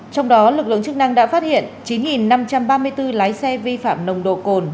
trong đó lực lượng chức năng đã phát hiện chín năm trăm ba mươi bốn lái xe vi phạm nồng độ cồn